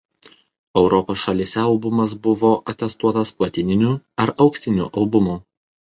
Europos šalyse albumas buvo atestuotas platininiu ar auksiniu albumu.